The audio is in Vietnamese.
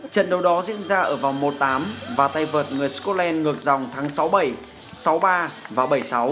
trận đấu đó diễn ra ở vòng một tám và tay vật người scotland ngược dòng tháng sáu bảy sáu ba và bảy sáu